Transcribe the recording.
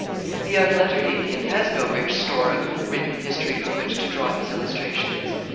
The unlettered Indian has no rich store of written history from which to draw his illustrations.